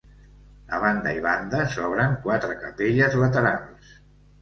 A banda i banda s'obren quatre capelles laterals.